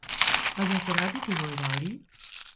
Baina zergatik igoera hori?